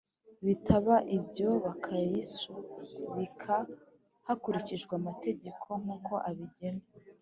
Bitaba ibyo bakayisubika hakurikijwe amategeko nkuko abigena